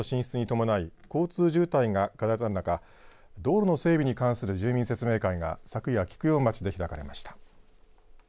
ＴＳＭＣの進出に伴い交通渋滞が課題となる中道路の整備に関する住民説明会が昨夜、菊陽町で開かれました。